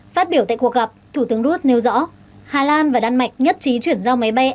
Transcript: phát biểu tại cuộc gặp thủ tướng rod nêu rõ hà lan và đan mạch nhất trí chuyển giao máy bay